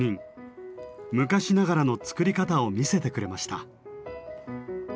昔ながらの作り方を見せてくれました。